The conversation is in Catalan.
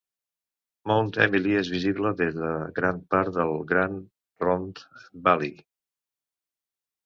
Mount Emily és visible des de gran part de Grande Ronde Valley.